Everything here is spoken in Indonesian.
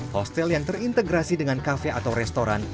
hostel yang terintegrasi dengan cafe atau restoran